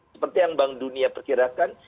seperti yang bank dunia perkirakan